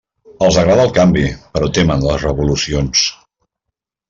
Els agrada el canvi; però temen les revolucions.